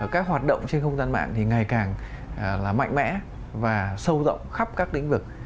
các hoạt động trên không gian mạng thì ngày càng mạnh mẽ và sâu rộng khắp các lĩnh vực